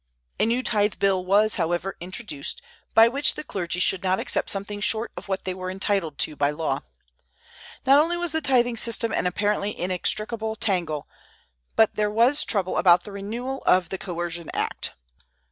A new tithe bill was, however, introduced, by which the clergy should accept something short of what they were entitled to by law. Not only was the tithing system an apparently inextricable tangle, but there was trouble about the renewal of the Coercion Act.